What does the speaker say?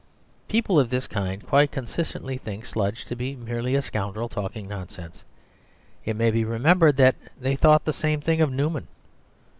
People of this kind quite consistently think Sludge to be merely a scoundrel talking nonsense. It may be remembered that they thought the same thing of Newman.